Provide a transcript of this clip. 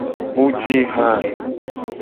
Mu ji ha.